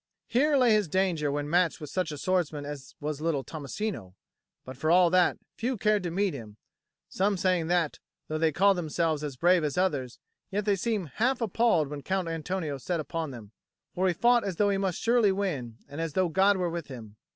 Here lay his danger when matched with such a swordsman as was little Tommasino; but for all that, few cared to meet him, some saying that, though they called themselves as brave as others, yet they seemed half appalled when Count Antonio set upon them; for he fought as though he must surely win and as though God were with him.